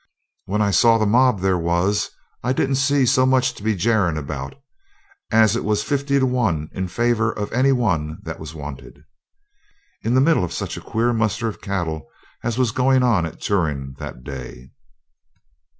When I saw the mob there was I didn't see so much to be jerran about, as it was fifty to one in favour of any one that was wanted, in the middle of such a muster of queer cattle as was going on at Turon that day.